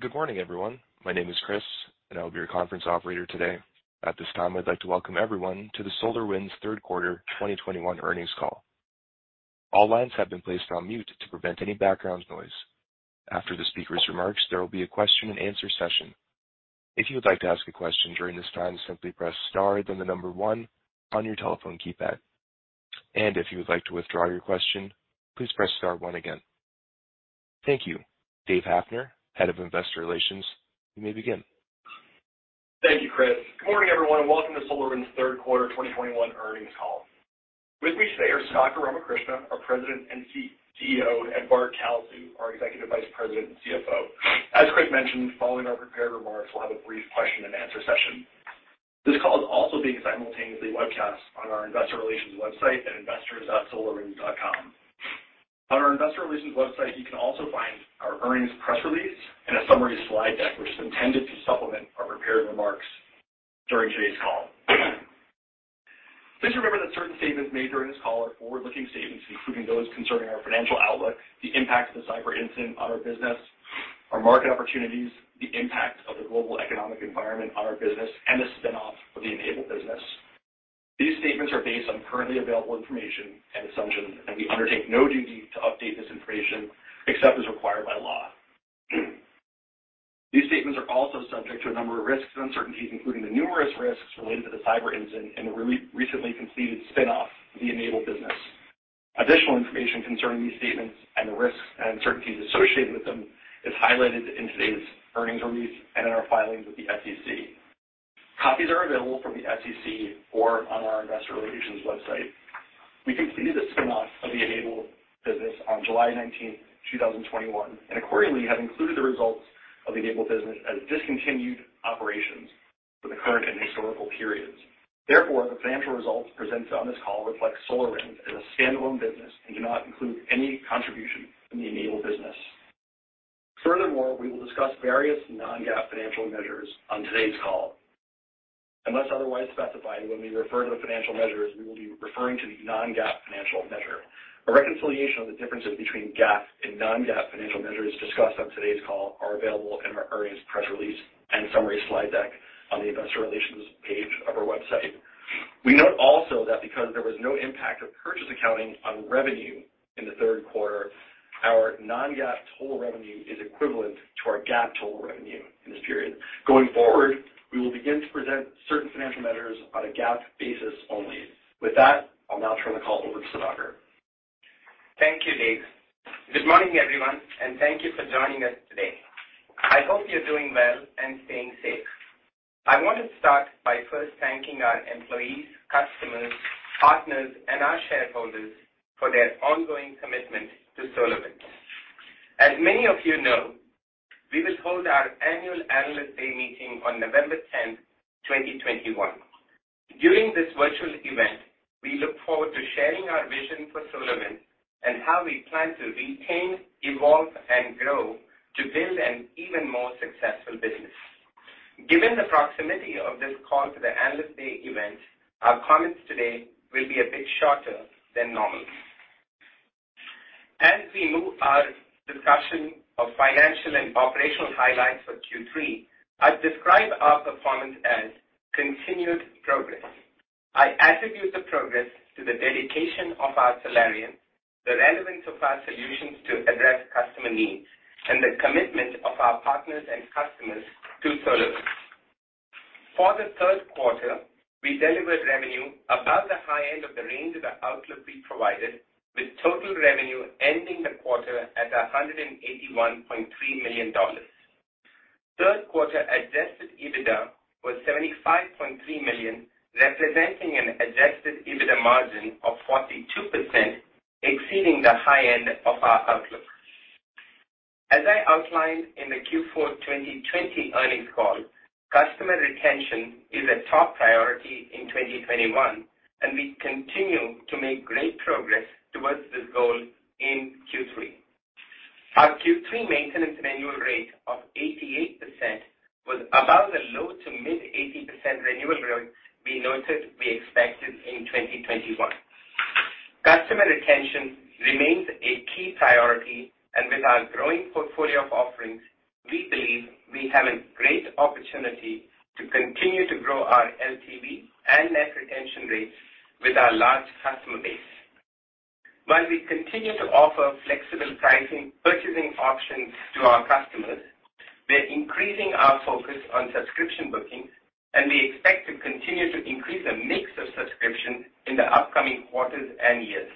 Good morning, everyone. My name is Chris, and I'll be your conference operator today. At this time, I'd like to welcome everyone to the SolarWinds third quarter 2021 earnings call. All lines have been placed on mute to prevent any background noise. After the speaker's remarks, there will be a question-and-answer session. If you would like to ask a question during this time, simply press Star then the number one on your telephone keypad. If you would like to withdraw your question, please press Star 1 again. Thank you. Dave Hafner, Head of Investor Relations, you may begin. Thank you, Chris. Good morning, everyone, and welcome to SolarWinds third quarter 2021 earnings call. With me today are Sudhakar Ramakrishna, our President and CEO, and Bart Kalsu, our Executive Vice President and CFO. As Chris mentioned, following our prepared remarks, we'll have a brief question-and-answer session. This call is also being simultaneously webcast on our investor relations website at investors.solarwinds.com. On our investor relations website, you can also find our earnings press release and a summary Slide deck, which is intended to supplement our prepared remarks during today's call. Please remember that certain statements made during this call are forward-looking statements, including those concerning our financial outlook, the impact of the cyber incident on our business, our market opportunities, the impact of the global economic environment on our business, and the spin-off of the N-able business. These statements are based on currently available information and assumptions, and we undertake no duty to update this information except as required by law. These statements are also subject to a number of risks and uncertainties, including the numerous risks related to the cyber incident and the recently completed spin-off of the N-able business. Additional information concerning these statements and the risks and uncertainties associated with them is highlighted in today's earnings release and in our filings with the SEC. Copies are available from the SEC or on our investor relations website. We completed the spin-off of the N-able business on July 19, 2021, and accordingly, have included the results of the N-able business as discontinued operations for the current and historical periods. Therefore, the financial results presented on this call reflect SolarWinds as a standalone business and do not include any contribution from the N-able business. Furthermore, we will discuss various non-GAAP financial measures on today's call. Unless otherwise specified, when we refer to financial measures, we will be referring to the non-GAAP financial measure. A reconciliation of the differences between GAAP and non-GAAP financial measures discussed on today's call are available in our earnings press release and summary slide deck on the investor relations page of our website. We note also that because there was no impact of purchase accounting on revenue in the third quarter, our non-GAAP total revenue is equivalent to our GAAP total revenue in this period. Going forward, we will begin to present certain financial measures on a GAAP basis only. With that, I'll now turn the call over to Sudhakar. Thank you, Dave. Good morning, everyone, and thank you for joining us today. I hope you're doing well and staying safe. I want to start by first thanking our employees, customers, partners, and our shareholders for their ongoing commitment to SolarWinds. As many of you know, we will hold our annual Analyst Day meeting on November 10, 2021. During this virtual event, we look forward to sharing our vision for SolarWinds and how we plan to retain, evolve, and grow to build an even more successful business. Given the proximity of this call to the Analyst Day event, our comments today will be a bit shorter than normal. As we move our discussion of financial and operational highlights for Q3, I describe our performance as continued progress. I attribute the progress to the dedication of our Solarians, the relevance of our solutions to address customer needs, and the commitment of our partners and customers to SolarWinds. For the third quarter, we delivered revenue above the high end of the range of the outlook we provided, with total revenue ending the quarter at $181.3 million. Third quarter adjusted EBITDA was $75.3 million, representing an adjusted EBITDA margin of 42%, exceeding the high end of our outlook. As I outlined in the Q4 2020 earnings call, customer retention is a top priority in 2021, and we continue to make great progress towards this goal in Q3. Our Q3 maintenance renewal rate of 88% was above the low- to mid-80% renewal growth we noted we expected in 2021. Customer retention remains a key priority, and with our growing portfolio of offerings, we believe we have a great opportunity to continue to grow our LTV and net retention rates with our large customer base. While we continue to offer flexible pricing purchasing options to our customers, we're increasing our focus on subscription bookings, and we expect to continue to increase the mix of subscription in the upcoming quarters and years.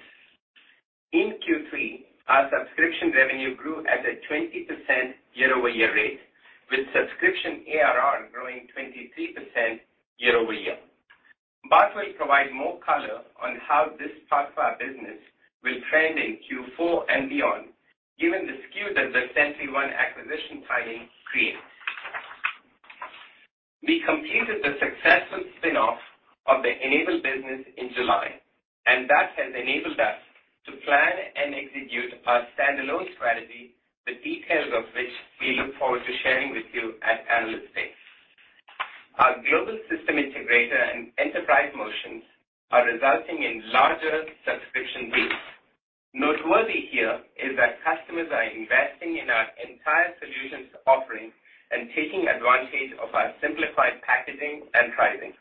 In Q3, our subscription revenue grew at a 20% year-over-year rate, with subscription ARR growing 23% year-over-year. Bart will provide more color on how this part of our business will trend in Q4 and beyond, given the skew that the SentryOne acquisition filing creates. We completed the successful spin-off of the N-able business in July, and that has enabled us to plan and execute our standalone strategy, the details of which we look forward to sharing with you at Analyst Day. Our global system integrator and enterprise motions are resulting in larger subscription deals. Noteworthy here is that customers are investing in our entire solutions offering and taking advantage of our simplified packaging and pricing.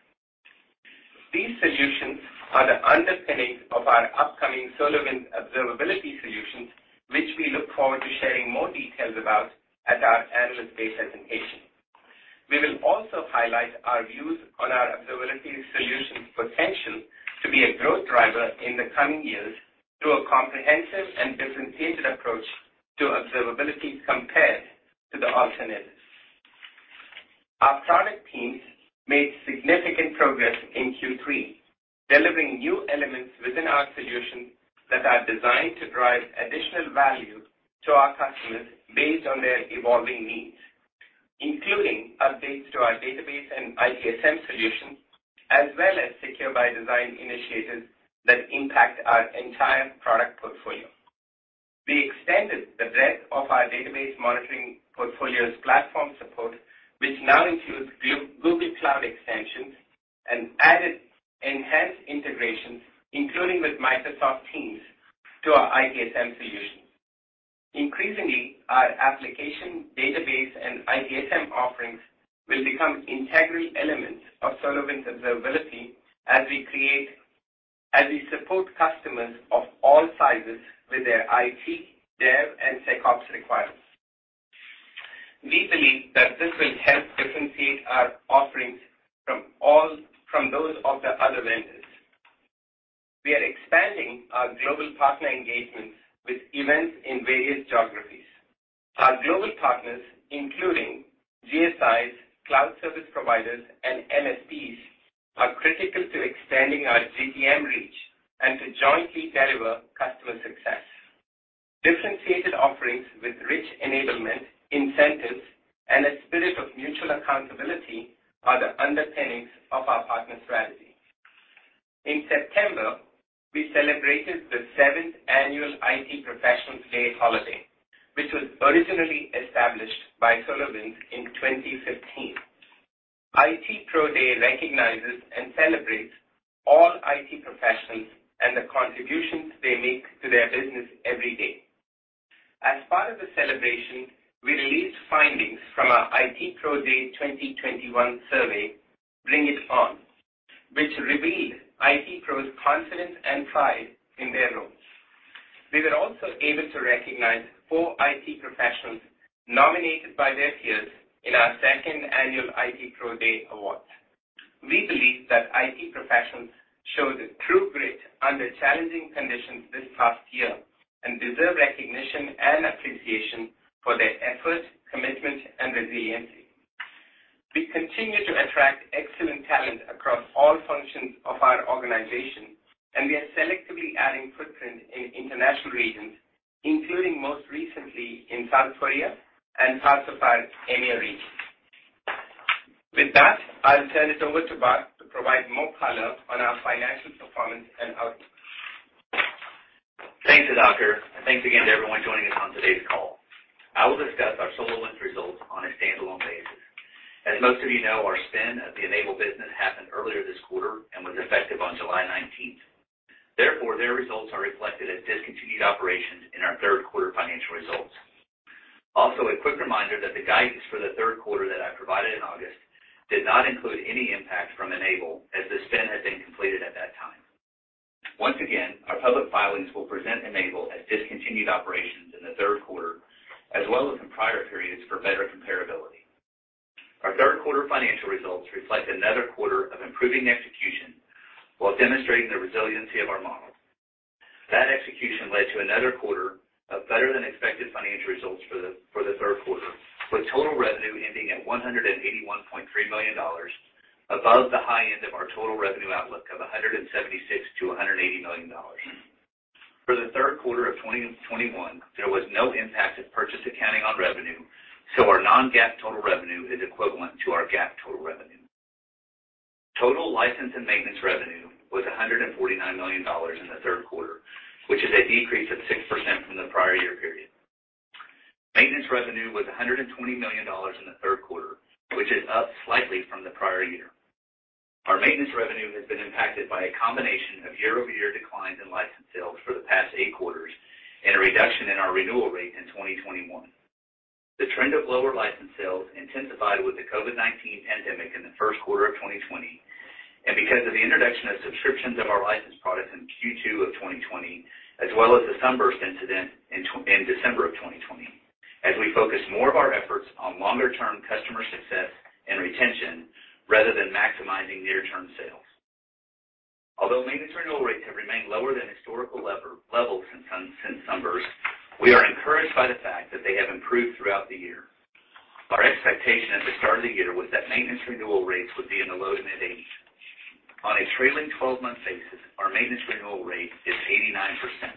These solutions are the underpinning of our upcoming SolarWinds Observability solutions, which we look forward to sharing more details about at our Analyst Day presentation. We will also highlight our views on our observability solutions potential to be a growth driver in the coming years through a comprehensive and differentiated approach to observability compared to the alternatives. Our product teams made significant progress in Q3, delivering new elements within our solutions that are designed to drive additional value to our customers based on their evolving needs, including updates to our database and ITSM solutions, as well as Secure by Design initiatives that impact our entire product portfolio. We extended the breadth of our database monitoring portfolio's platform support, which now includes Google Cloud extensions and added enhanced integrations, including with Microsoft Teams to our ITSM solution. Increasingly, our application database and ITSM offerings will become integral elements of SolarWinds Observability as we support customers of all sizes with their IT, dev, and SecOps requirements. We believe that this will help differentiate our offerings from those of the other vendors. We are expanding our global partner engagements with events in various geographies. Our global partners, including GSIs, cloud service providers, and MSPs, are critical to extending our GTM reach and to jointly deliver customer success. Differentiated offerings with rich enablement incentives and a spirit of mutual accountability are the underpinnings of our partner strategy. In September, we celebrated the seventh annual IT Professionals Day holiday, which was originally established by SolarWinds in 2015. IT Pro Day recognizes and celebrates all IT professionals and the contributions they make to their business every day. As part of the celebration, we released findings from our IT Pro Day 2021 survey, Bring It On, which revealed IT pros' confidence and pride in their roles. We were also able to recognize four IT professionals nominated by their peers in our second annual IT Pro Day Awards. We believe that IT professionals showed true grit under challenging conditions this past year, and deserve recognition and appreciation for their efforts, commitment, and resiliency. We continue to attract excellent talent across all functions of our organization, and we are selectively adding footprint in international regions, including most recently in South Korea and parts of our EMEA region. With that, I'll turn it over to Bart to provide more color on our financial performance and outlook. Thanks, Sudhakar, and thanks again to everyone joining us on today's call. I will discuss our SolarWinds results on a standalone basis. As most of you know, our spin of the N-able business happened earlier this quarter and was effective on July 19. Therefore, their results are reflected as discontinued operations in our third quarter financial results. Also, a quick reminder that the guidance for the third quarter that I provided in August did not include any impact from N-able, as the spin had been completed at that time. Once again, our public filings will present N-able as discontinued operations in the third quarter as well as in prior periods for better comparability. Our third quarter financial results reflect another quarter of improving execution while demonstrating the resiliency of our model. That execution led to another quarter of better than expected financial results for the third quarter, with total revenue ending at $181.3 million, above the high end of our total revenue outlook of $176 million-$180 million. For the third quarter of 2021, there was no impact of purchase accounting on revenue, so our non-GAAP total revenue is equivalent to our GAAP total revenue. Total license and maintenance revenue was $149 million in the third quarter, which is a decrease of 6% from the prior year period. Maintenance revenue was $120 million in the third quarter, which is up slightly from the prior year. Our maintenance revenue has been impacted by a combination of year-over-year declines in license sales for the past eight quarters and a reduction in our renewal rate in 2021. The trend of lower license sales intensified with the COVID-19 pandemic in the first quarter of 2020, and because of the introduction of subscriptions of our license products in Q2 of 2020 as well as the SUNBURST incident in December of 2020, as we focus more of our efforts on longer-term customer success and retention rather than maximizing near-term sales. Although maintenance renewal rates have remained lower than historical levels since SUNBURST, we are encouraged by the fact that they have improved throughout the year. Our expectation at the start of the year was that maintenance renewal rates would be in the low-to-mid 80s%. On a trailing twelve-month basis, our maintenance renewal rate is 89%.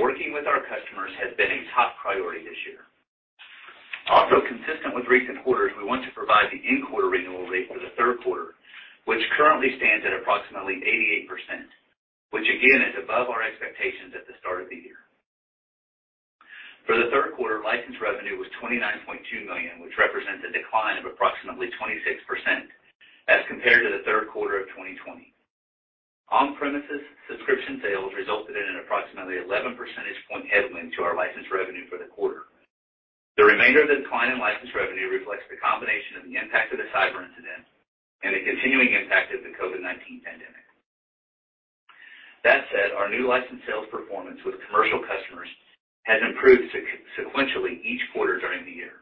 Working with our customers has been a top priority this year. Consistent with recent quarters, we want to provide the in-quarter renewal rate for the third quarter, which currently stands at approximately 88%, which again is above our expectations at the start of the year. For the third quarter, license revenue was $29.2 million, which represents a decline of approximately 26% as compared to the third quarter of 2020. On-premises subscription sales resulted in an approximately 11 percentage points headwind to our license revenue for the quarter. The remainder of the decline in license revenue reflects the combination of the impact of the cyber incident and the continuing impact of the COVID-19 pandemic. That said, our new license sales performance with commercial customers has improved sequentially each quarter during the year.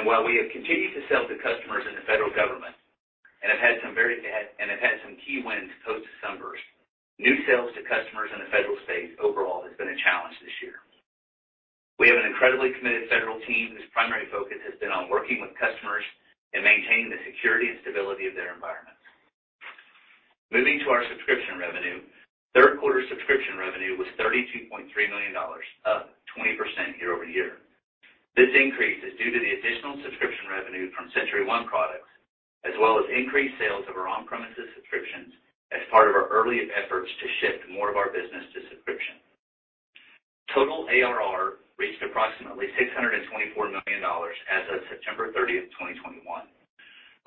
While we have continued to sell to customers in the federal government and have had some key wins post-SUNBURST, new sales to customers in the federal space overall has been a challenge this year. We have an incredibly committed federal team whose primary focus has been on working with customers and maintaining the security and stability of their environments. Moving to our subscription revenue. Third quarter subscription revenue was $32.3 million, up 20% year-over-year. This increase is due to the additional subscription revenue from SentryOne products, as well as increased sales of our on-premises subscriptions as part of our early efforts to shift more of our business to subscription. Total ARR reached approximately $624 million as of September 30, 2021,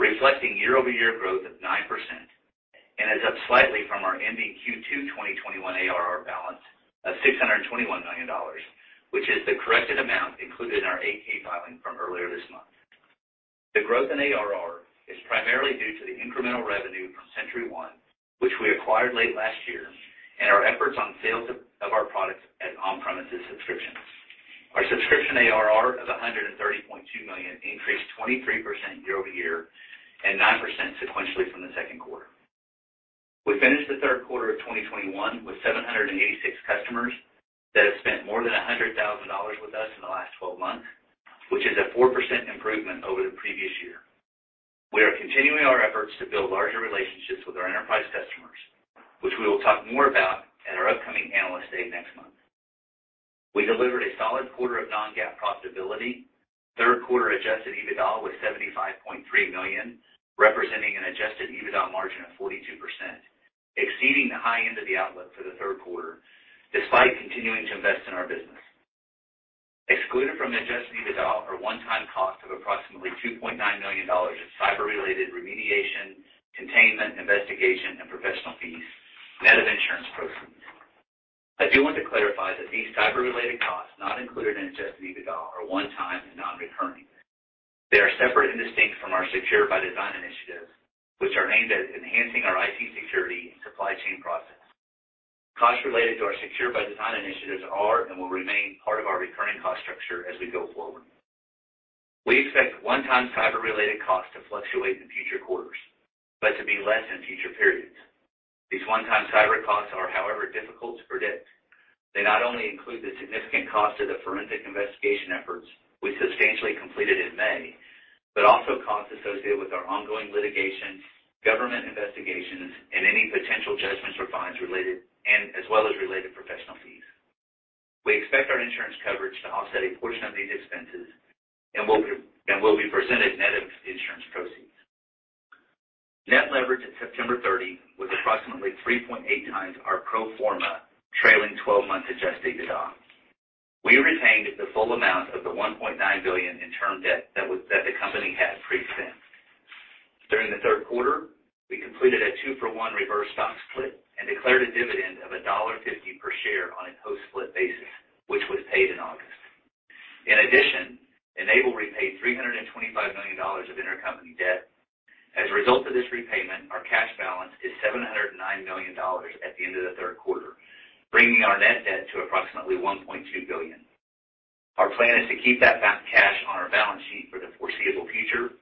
reflecting year-over-year growth of 9% and is up slightly from our ending Q2 2021 ARR balance of $621 million, which is the corrected amount included in our 8-K filing from earlier this month. The growth in ARR is primarily due to the incremental revenue from SentryOne, which we acquired late last year, and our efforts on sales of our products as on-premises subscriptions. Our subscription ARR of $130.2 million increased 23% year over year and 9% sequentially from the second quarter. We finished the third quarter of 2021 with 786 customers that have spent more than $100,000 with us in the last twelve months, which is a 4% improvement over the previous year. We are continuing our efforts to build larger relationships with our enterprise customers, which we will talk more about at our upcoming Analyst Day next month. We delivered a solid quarter of non-GAAP profitability. Third quarter adjusted EBITDA was $75.3 million, representing an adjusted EBITDA margin of 42%, exceeding the high end of the outlook for the third quarter, despite continuing to invest in our business. Excluded from adjusted EBITDA are one-time costs of approximately $2.9 million in cyber-related remediation, containment, investigation, and professional fees, net of insurance proceeds. I do want to clarify that these cyber-related costs not included in adjusted EBITDA are one-time and non-recurring. They are separate and distinct from our Secure by Design initiatives, which are aimed at enhancing our IT security and supply chain process. Costs related to our Secure by Design initiatives are and will remain part of our recurring cost structure as we go forward. We expect one-time cyber-related costs to fluctuate in future quarters, but to be less in future periods. These one-time cyber costs are, however, difficult to predict. They not only include the significant cost of the forensic investigation efforts we substantially completed in May, but also costs associated with our ongoing litigation, government investigations, and any potential judgments or fines related and as well as related professional fees. We expect our insurance coverage to offset a portion of these expenses and will be presented net of insurance proceeds. Net leverage at September 30 was approximately 3.8 times our pro forma trailing twelve-month adjusted EBITDA. We retained the full amount of the $1.9 billion in term debt that the company had pre-spin. During the third quarter, we completed a two-for-one reverse stock split and declared a dividend of $1.50 per share on a post-split basis, which was paid in August. In addition, N-able repaid $325 million of intercompany debt. As a result of this repayment, our cash balance is $709 million at the end of the third quarter, bringing our net debt to approximately $1.2 billion. Our plan is to keep that cash balance on our balance sheet for the foreseeable future.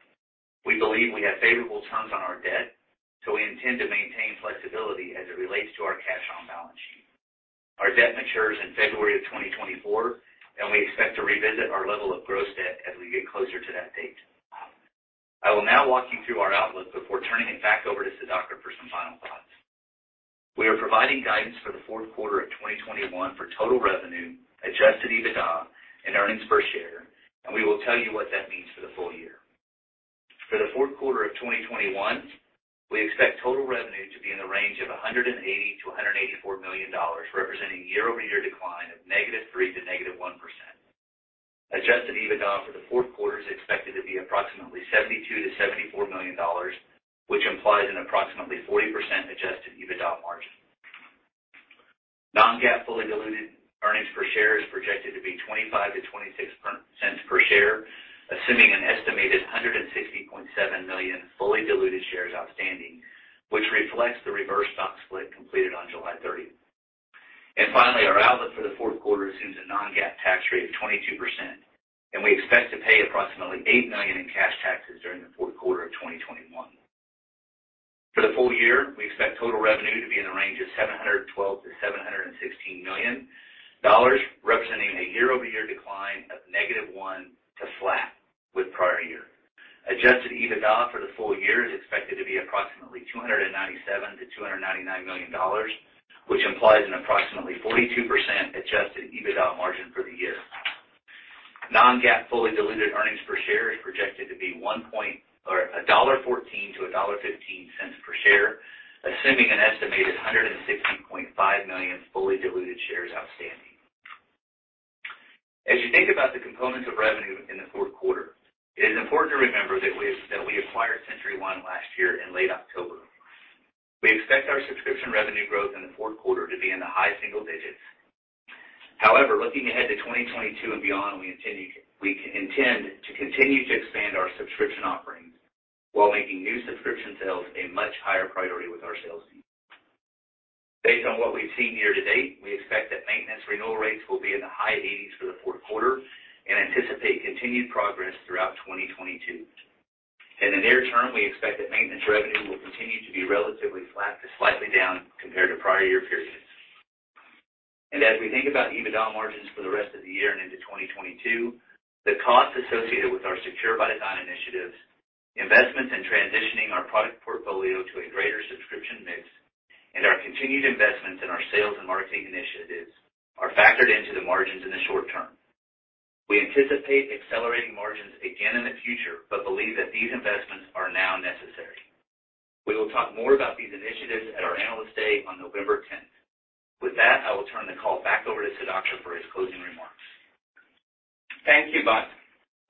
We believe we have favorable terms on our debt, so we intend to maintain flexibility as it relates to our cash on the balance sheet. Our debt matures in February of 2024, and we expect to revisit our level of gross debt as we get closer to that date. I will now walk you through our outlook before turning it back over to Sudhakar for some final thoughts. We are providing guidance for the fourth quarter of 2021 for total revenue, adjusted EBITDA, and earnings per share, and we will tell you what that means for the full year. For the fourth quarter of 2021, we expect total revenue to be in the range of $180 million-$184 million, representing year-over-year decline of -3% to -1%. Adjusted EBITDA for the fourth quarter is expected to be approximately $72 million-$74 million, which implies an approximately 40% adjusted EBITDA margin. Non-GAAP fully diluted earnings per share is projected to be 25-26 cents per share, assuming an estimated 160.7 million fully diluted shares outstanding, which reflects the reverse stock split completed on July 30. Our outlook for the fourth quarter assumes a non-GAAP tax rate of 22%, and we expect to pay approximately $8 million in cash taxes during the fourth quarter of 2021. For the full year, we expect total revenue to be in the range of $712 million-$716 million, representing a year-over-year decline of -1% to flat with prior year. Adjusted EBITDA for the full year is expected to be approximately $297 million-$299 million, which implies an approximately 42% adjusted EBITDA margin for the year. Non-GAAP fully diluted earnings per share is projected to be $1.14-$1.15 per share, assuming an estimated 116.5 million fully diluted shares outstanding. As you think about the components of revenue in the fourth quarter, it is important to remember that we acquired SentryOne last year in late October. We expect our subscription revenue growth in the fourth quarter to be in the high single digits. However, looking ahead to 2022 and beyond, we intend to continue to expand our subscription offerings while making new subscription sales a much higher priority with our sales team. Based on what we've seen year to date, we expect that maintenance renewal rates will be in the high 80s for the fourth quarter and anticipate continued progress throughout 2022. In the near term, we expect that maintenance revenue will continue to be relatively flat to slightly down compared to prior year periods. As we think about EBITDA margins for the rest of the year and into 2022, the costs associated with our Secure by Design initiatives, investments in transitioning our product portfolio to a greater subscription mix, and our continued investments in our sales and marketing initiatives are factored into the margins in the short term. We anticipate accelerating margins again in the future, but believe that these investments are now necessary. We will talk more about these initiatives at our Analyst Day on November 10. With that, I will turn the call back over to Sudhakar for his closing remarks. Thank you, Bart.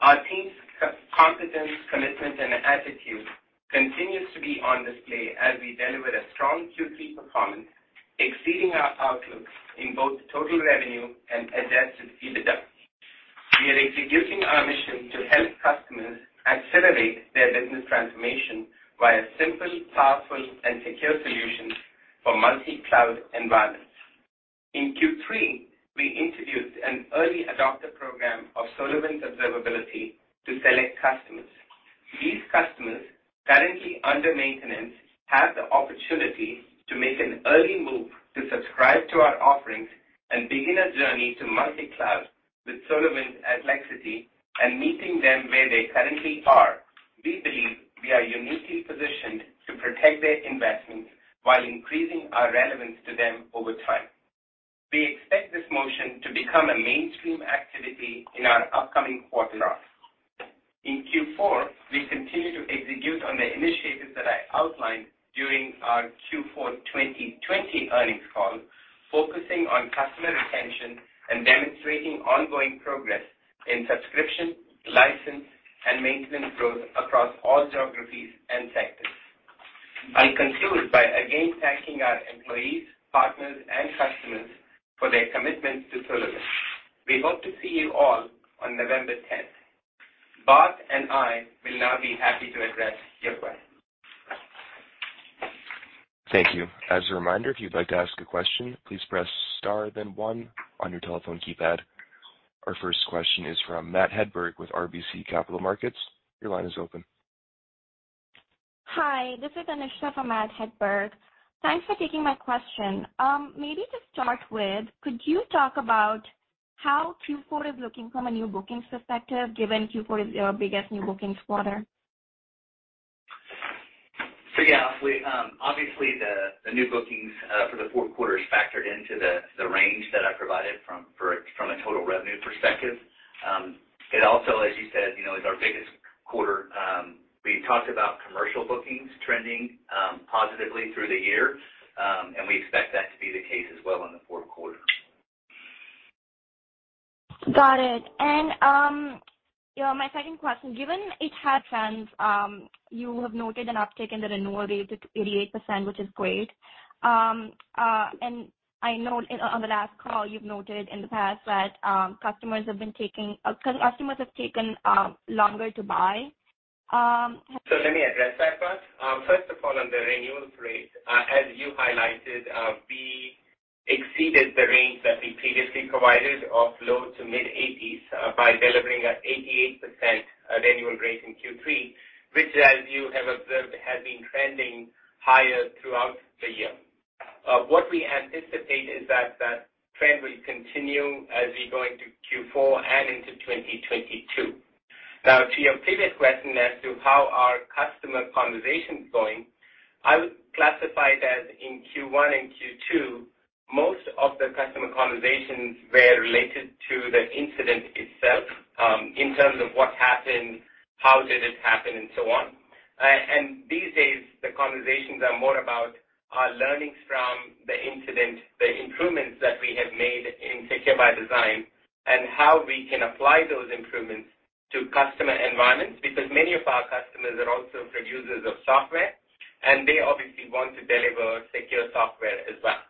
Our team's confidence, commitment, and attitude continues to be on display as we deliver a strong Q3 performance, exceeding our outlook in both total revenue and adjusted EBITDA. We are executing our mission to help customers accelerate their business transformation via simple, powerful, and secure solutions for multi-cloud environments. In Q3, we introduced an early adopter program of SolarWinds Observability to select customers. These customers, currently under maintenance, have the opportunity to make an early move to subscribe to our offerings and begin a journey to multi-cloud with SolarWinds at Lexity and meeting them where they currently are. We believe we are uniquely positioned to protect their investments while increasing our relevance to them over time. We expect this motion to become a mainstream activity in our upcoming quarter ops. In Q4, we continue to execute on the initiatives that I outlined during our Q4 2020 earnings call, focusing on customer retention and demonstrating ongoing progress in subscription, license, and maintenance growth across all geographies and sectors. I conclude by again thanking our employees, partners, and customers for their commitment to SolarWinds. We hope to see you all on November tenth. Bart and I will now be happy to address your questions. Thank you. As a reminder, if you'd like to ask a question, please press Star then one on your telephone keypad. Our first question is from Matt Hedberg with RBC Capital Markets. Your line is open. Hi, this is Anisha from Matt Hedberg. Thanks for taking my question. Maybe to start with, could you talk about how Q4 is looking from a new bookings perspective, given Q4 is your biggest new bookings quarter? Yeah, we obviously the new bookings for the fourth quarter is factored into the range that I provided, from a total revenue perspective. It also, as you said, you know, is our biggest quarter. We talked about commercial bookings trending positively through the year. We expect that to be the case as well in the fourth quarter. Got it. My second question, given it had trends, you have noted an uptick in the renewal rate at 88%, which is great. I know on the last call you've noted in the past that customers have taken longer to buy. Let me address that first. First of all, on the renewal rate, as you highlighted, we exceeded the range that we previously provided of low- to mid-80s by delivering at 88% renewal rate in Q3, which as you have observed, has been trending higher throughout the year. What we anticipate is that that trend will continue as we go into Q4 and into 2022. Now to your previous question as to how customer conversations are going, I would classify it as in Q1 and Q2, most of the customer conversations were related to the incident itself, in terms of what happened, how did it happen, and so on. These days, the conversations are more about our learnings from the incident, the improvements that we have made in Secure by Design, and how we can apply those improvements to customer environments, because many of our customers are also producers of software, and they obviously want to deliver secure software as well.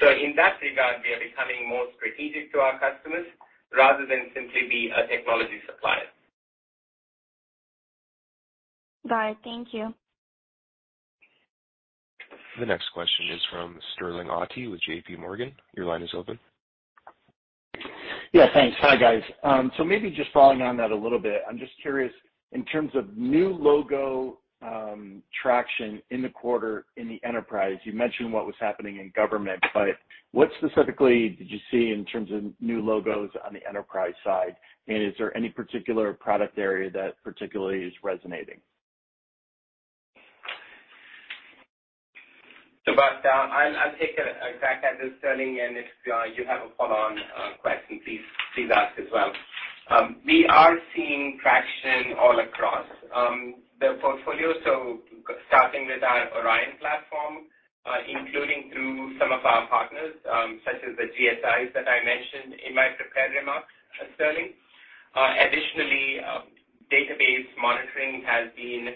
In that regard, we are becoming more strategic to our customers rather than simply be a technology supplier. Got it. Thank you. The next question is from Sterling Auty with J.P. Morgan. Your line is open. Yeah, thanks. Hi, guys. Maybe just following on that a little bit, I'm just curious in terms of new logo traction in the quarter in the enterprise. You mentioned what was happening in government, but what specifically did you see in terms of new logos on the enterprise side? And is there any particular product area that particularly is resonating? Bart, I'll take a crack at this, Sterling, and if you have a follow-on question, please ask as well. We are seeing traction all across the portfolio. starting with our Orion platform, including through some of our partners, such as the GSIs that I mentioned in my prepared remarks, Sterling. Additionally, database monitoring has been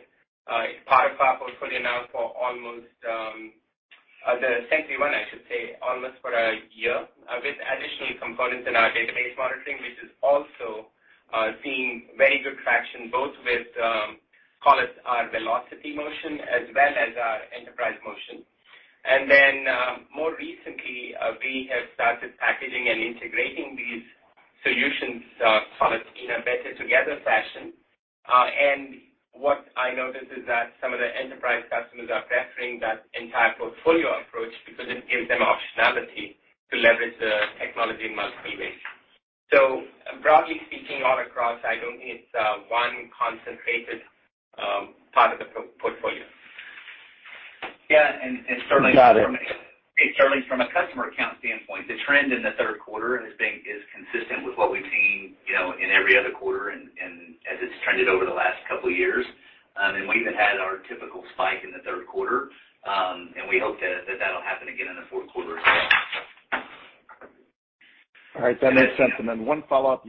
part of our portfolio now for almost since we own, I should say, almost for a year, with additional components in our database monitoring, which is also seeing very good traction both with call it our velocity motion as well as our enterprise motion. Then, more recently, we have started packaging and integrating these solutions, call it in a better together fashion. What I noticed is that some of the enterprise customers are preferring that entire portfolio approach because it gives them optionality to leverage the technology in multiple ways. Broadly speaking, all across, I don't think it's one concentrated part of the portfolio. Yeah. Sterling- Got it. Hey, Sterling, from a customer account standpoint, the trend in the third quarter is consistent with what we've seen, you know, in every other quarter and as it's trended over the last couple of years. We even had our typical spike in the third quarter, and we hope that that'll happen again in the fourth quarter as well. All right. That makes sense. One follow-up.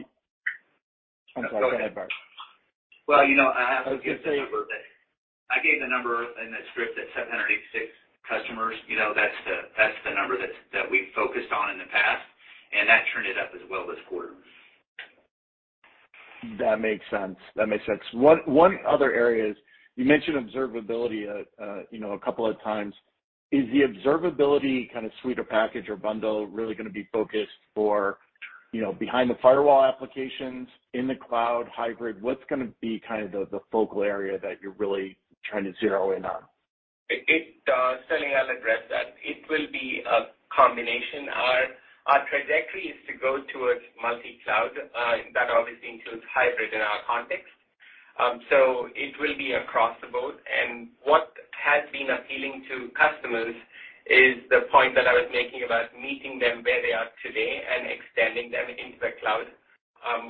I'm sorry. Go ahead, Bart. Well, you know, I have to give the number that I gave in the script at 786 customers. You know, that's the number that we focused on in the past, and that trended up as well this quarter. That makes sense. One other area is, you mentioned Observability, you know, a couple of times. Is the Observability kind of suite or package or bundle really gonna be focused for, you know, behind the firewall applications in the cloud hybrid? What's gonna be kind of the focal area that you're really trying to zero in on? It Sterling, I'll address that. It will be a combination. Our trajectory is to go towards multi-cloud, that obviously includes hybrid in our context. It will be across the board. What has been appealing to customers is the point that I was making about meeting them where they are today and extending them into the cloud.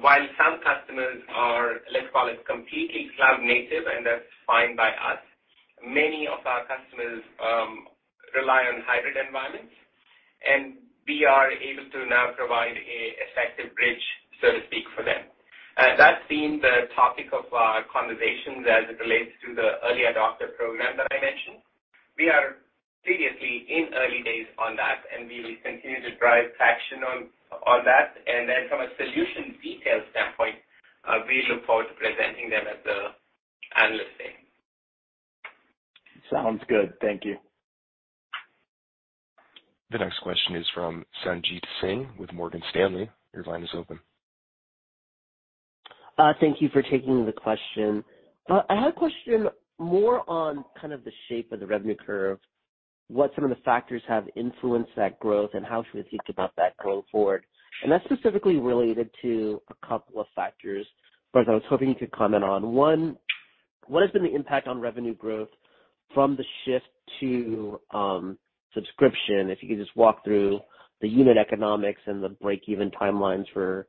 While some customers are, let's call it completely cloud native, and that's fine by us, many of our customers rely on hybrid environments, and we are able to now provide an effective bridge, so to speak, for them. That's been the topic of our conversations as it relates to the early adopter program that I mentioned. We are seriously in early days on that, and we will continue to drive traction on that. From a solution detail standpoint, we look forward to presenting them at the Analyst Day. Sounds good. Thank you. The next question is from Sanjit Singh with Morgan Stanley. Your line is open. Thank you for taking the question. I had a question more on kind of the shape of the revenue curve, what some of the factors have influenced that growth and how should we think about that going forward. That's specifically related to a couple of factors. First, I was hoping you could comment on one, what has been the impact on revenue growth from the shift to subscription? If you could just walk through the unit economics and the break-even timelines for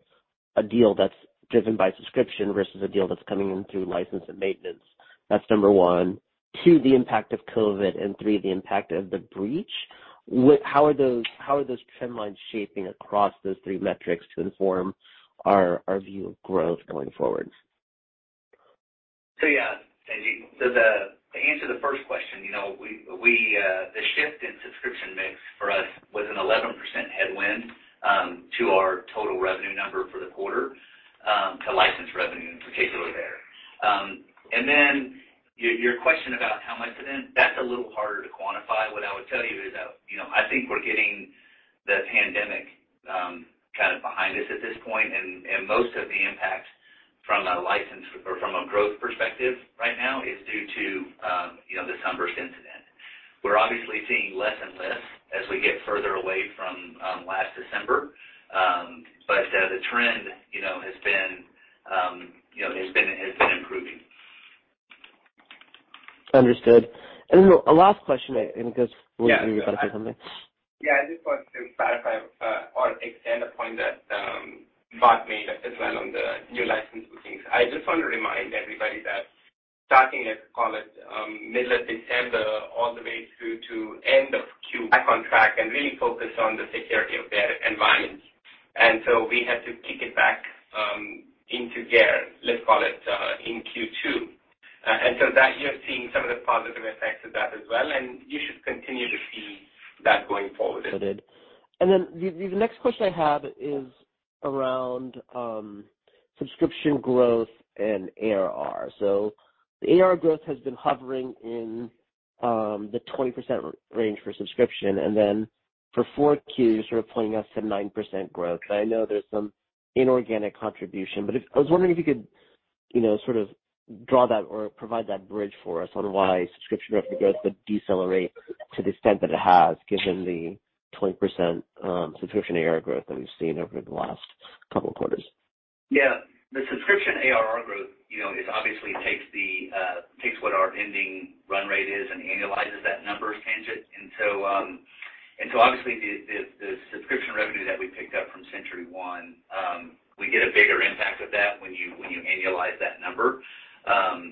a deal that's driven by subscription versus a deal that's coming in through license and maintenance. That's number one. Two, the impact of COVID. And three, the impact of the breach. How are those trend lines shaping across those three metrics to inform our view of growth going forward? Yeah, Sanjit. To answer the first question, the shift in subscription mix for us was an 11% headwind to our total revenue number for the quarter, to license revenue in particular there. Then your question about how much of it, that's a little harder to quantify. What I would tell you is that, I think we're getting the pandemic kind of behind us at this point. Most of the impact from a license or from a growth perspective right now is due to this SUNBURST incident. We're obviously seeing less and less as we get further away from last December. The trend has been improving. Understood. A last question, and because we need to move on to something. Yeah. I just want to clarify or extend the point that Bart made as well on the new license bookings. I just want to remind everybody that starting at, call it, middle of December all the way through to end of Q1 back on track and really focus on the security of their environments. We had to kick it back into gear, let's call it, in Q2. That you're seeing some of the positive effects of that as well, and you should continue to see that going forward. Noted. The next question I had is around subscription growth and ARR. The ARR growth has been hovering in the 20% range for subscription. For four Qs, you're sort of pointing us to 9% growth. I know there's some inorganic contribution, but I was wondering if you could, you know, sort of draw that or provide that bridge for us on why subscription revenue growth would decelerate to the extent that it has, given the 20% subscription ARR growth that we've seen over the last couple of quarters. Yeah. The subscription ARR growth, you know, it obviously takes what our ending run rate is and annualizes that number. Obviously, the subscription revenue that we picked up from SentryOne, we get a bigger impact of that when you annualize that number.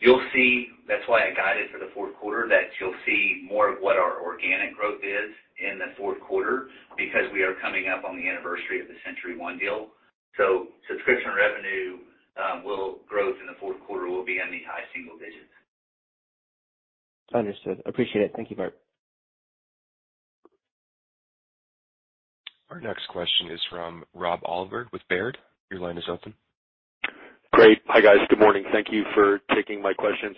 You'll see that's why I guided for the fourth quarter that you'll see more of what our organic growth is in the fourth quarter because we are coming up on the anniversary of the SentryOne deal. Subscription revenue will grow in the fourth quarter will be in the high single digits. Understood. Appreciate it. Thank you, Bart. Our next question is from Rob Oliver with Baird. Your line is open. Great. Hi, guys. Good morning. Thank you for taking my questions.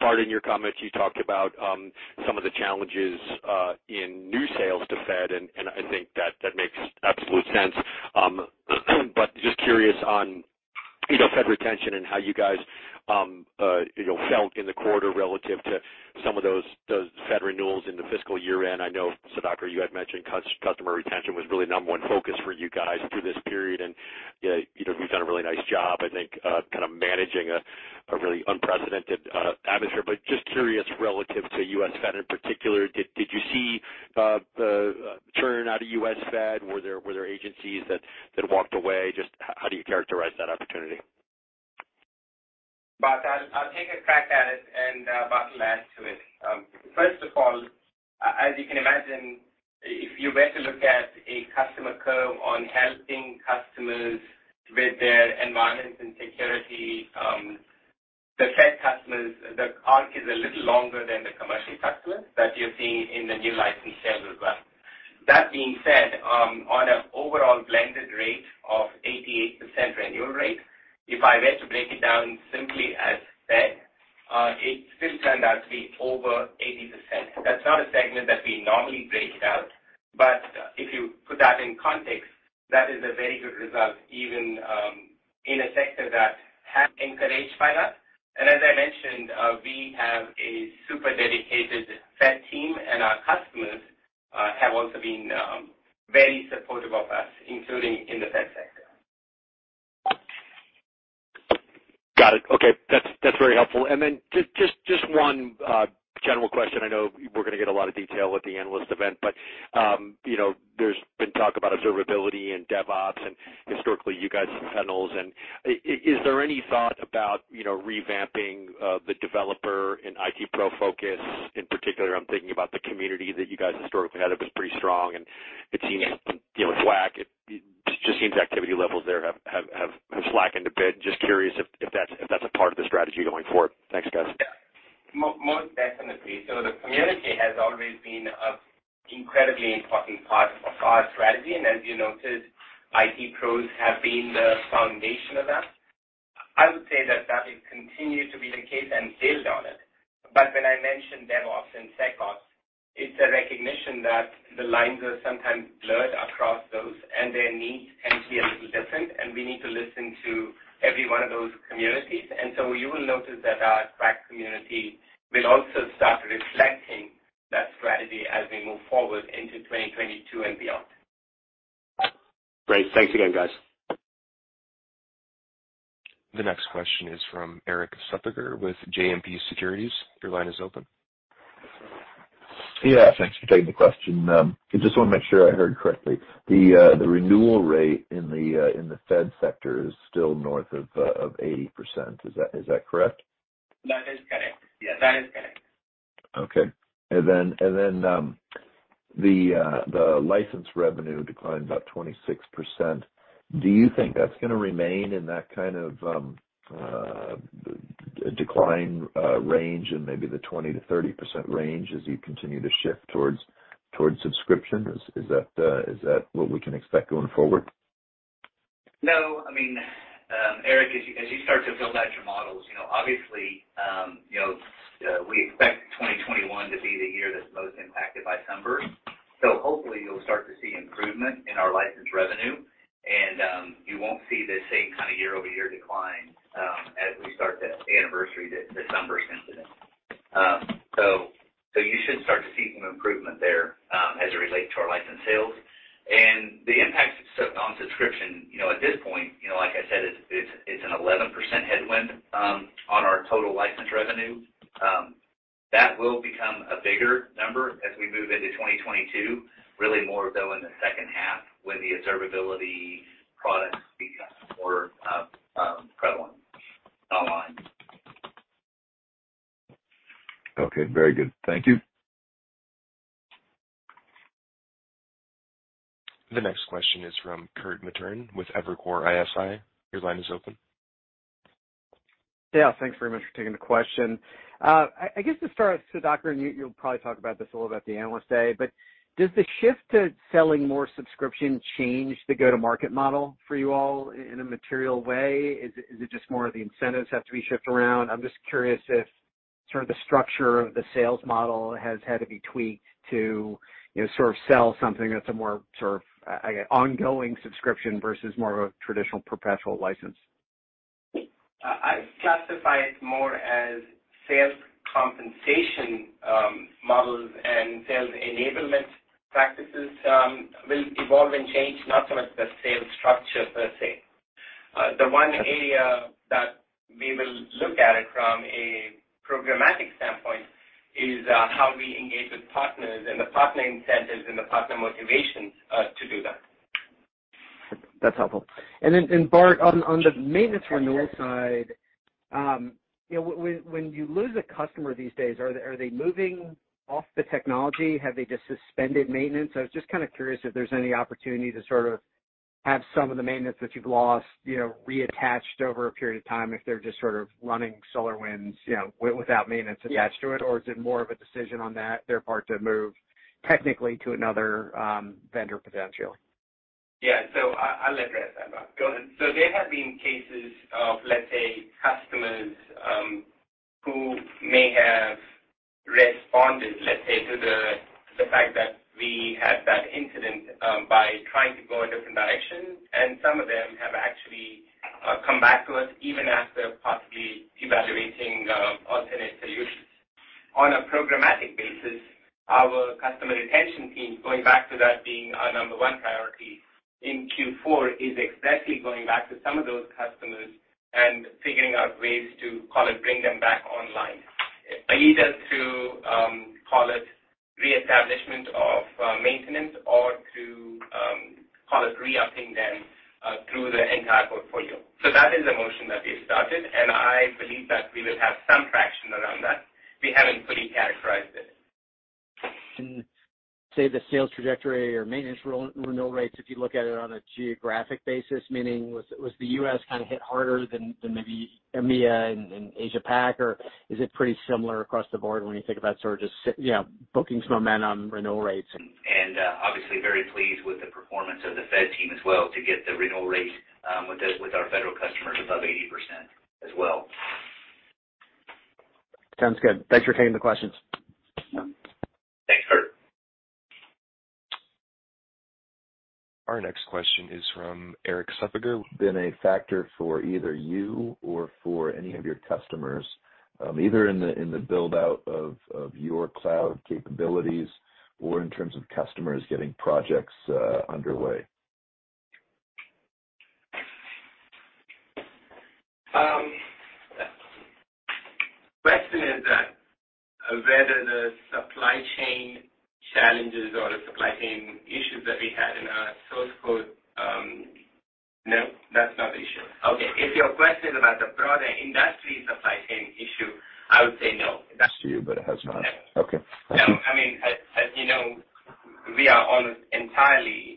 Bart, in your comments, you talked about some of the challenges in new sales to Fed, and I think that makes absolute sense. Just curious on, you know, Fed retention and how you guys, you know, felt in the quarter relative to some of those Fed renewals in the fiscal year-end. I know, Sudhakar, you had mentioned customer retention was really number one focus for you guys through this period. You know, you've done a really nice job, I think, kind of managing a really unprecedented atmosphere. Just curious, relative to US Fed in particular, did you see the churn out of US Fed? Were there agencies that walked away? How do you characterize that opportunity? Bart, I'll take a crack at it, and Bart will add to it. First of all, as you can imagine, if you were to look at a customer curve on helping customers with their environments and security, the Fed customers, the arc is a little longer than the commercial customers that you're seeing in the new license sales as well. That being said, on an overall blended rate of 88% renewal rate, if I were to break it down simply as Fed, it still turned out to be over 80%. That's not a segment that we normally break it out, but if you put that in context, that is a very good result, even in a sector that we're encouraged by that. As I mentioned, we have a super dedicated Fed team, and our customers have also been very supportive of us, including in the Fed sector. Got it. Okay. That's very helpful. Just one general question. I know we're gonna get a lot of detail at the analyst event, but you know, there's been talk about observability and DevOps, and historically, you guys SentryOne. Is there any thought about, you know, revamping the developer and IT pro focus? In particular, I'm thinking about the community that you guys historically had. It was pretty strong, and it seems, you know, slack. It just seems activity levels there have slackened a bit. Just curious if that's a part of the strategy going forward. Thanks, guys. Most definitely. The community has always been an incredibly important part of our strategy. As you noted, IT pros have been the foundation of that. I would say that is continued to be the case and build on it. When I mention DevOps and SecOps, it's a recognition that the lines are sometimes blurred across those, and their needs can be a little different, and we need to listen to every one of those communities. You will notice that our core community will also start reflecting that strategy as we move forward into 2022 and beyond. Great. Thanks again, guys. The next question is from Erik Suppiger with JMP Securities. Your line is open. Yeah. Thanks for taking the question. I just wanna make sure I heard correctly. The renewal rate in the Fed sector is still north of 80%. Is that correct? That is correct. Yeah, that is correct. Okay. The license revenue declined about 26%. Do you think that's gonna remain in that kind of decline range and maybe the 20%-30% range as you continue to shift towards subscription? Is that what we can expect going forward? No. I mean, Eric, as you start to build out your models, you know, obviously, you know, we expect 2021 to be the year that's most impacted by SUNBURST. Hopefully, you'll start to see improvement in our license revenue, and you won't see the same kind of year-over-year decline, as we start to anniversary the SUNBURST incident. You should start to see some improvement there, as it relate to our license sales. The impact on subscription, you know, at this point, you know, like I said, it's an 11% headwind on our total license revenue. That will become a bigger number as we move into 2022, really more though in the second half when the observability products become more prevalent online. Okay. Very good. Thank you. The next question is from Kirk Materne with Evercore ISI. Your line is open. Yeah. Thanks very much for taking the question. I guess to start, Sudhakar, and you'll probably talk about this a little at the Analyst Day, but does the shift to selling more subscription change the go-to-market model for you all in a material way? Is it just more of the incentives have to be shifted around? I'm just curious if sort of the structure of the sales model has had to be tweaked to, you know, sort of sell something that's a more sort of ongoing subscription versus more of a traditional perpetual license. I'd classify it more as sales compensation models and sales enablement practices will evolve and change, not so much the sales structure per se. The one area that we will look at it from a programmatic standpoint is how we engage with partners and the partner incentives and the partner motivations to do that. That's helpful. Then, Bart, on the maintenance renewal side, you know, when you lose a customer these days, are they moving off the technology? Have they just suspended maintenance? I was just kind of curious if there's any opportunity to sort of have some of the maintenance that you've lost, you know, reattached over a period of time if they're just sort of running SolarWinds, you know, without maintenance attached to it? Yeah. Is it more of a decision on that, their part to move technically to another vendor potential? Yeah. I'll address that, Bart. Go ahead. There have been cases of, let's say, customers, who may have responded, let's say, to the fact that we had that incident, by trying to go a different direction, and some of them have actually come back to us even after possibly evaluating alternate solutions. On a programmatic basis, our customer retention team, going back to that being our number one priority in Q4, is exactly going back to some of those customers and figuring out ways to call and bring them back online, either through call it reestablishment of maintenance or through call it re-upping them through the entire portfolio. That is a motion that we've started, and I believe that we will have some traction around that. We haven't fully characterized it. Can say the sales trajectory or maintenance renewal rates, if you look at it on a geographic basis, meaning was the U.S. kind of hit harder than maybe EMEA and Asia Pac or is it pretty similar across the board when you think about sort of just, you know, bookings momentum, renewal rates and? Obviously very pleased with the performance of the Fed team as well to get the renewal rate with our federal customers above 80% as well. Sounds good. Thanks for taking the questions. Yeah. Thanks, Kirk. Our next question is from Erik Suppiger. Been a factor for either you or for any of your customers, either in the build-out of your cloud capabilities or in terms of customers getting projects underway. The question is whether the supply chain challenges or the supply chain issues that we had in our source code. No, that's not the issue. Okay. If your question is about the broader industry supply chain issue, I would say no. To you, but it has not. Okay. Thank you. No. I mean, as you know, we are almost entirely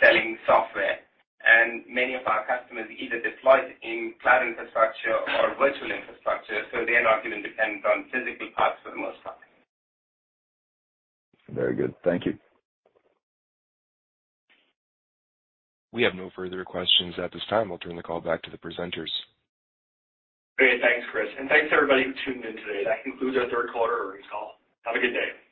selling software, and many of our customers either deploy in cloud infrastructure or virtual infrastructure, so they're not even dependent on physical parts for the most part. Very good. Thank you. We have no further questions at this time. I'll turn the call back to the presenters. Great. Thanks, Chris. Thanks everybody who tuned in today. That concludes our third quarter earnings call. Have a good day.